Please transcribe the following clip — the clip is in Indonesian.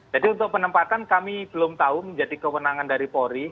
jadi untuk penempatan kami belum tahu menjadi kewenangan dari polri